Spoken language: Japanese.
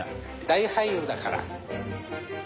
大俳優だから。